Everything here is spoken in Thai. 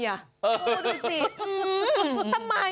ดูดิสิทำไมน่ะ